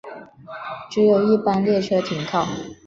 只有一般列车停靠。